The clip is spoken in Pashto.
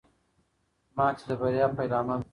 ماتې د بریا پیلامه ده.